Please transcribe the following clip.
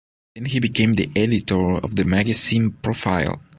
Then he became the editor of the magazine "Profile".